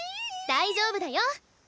大丈夫だよ。